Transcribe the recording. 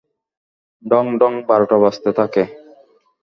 ঢং-ঢং-ঢং, বারোটা বাজতে থাকে।